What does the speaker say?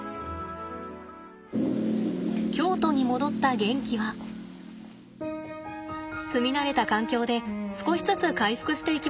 京都に戻ったゲンキは住み慣れた環境で少しずつ回復していきました。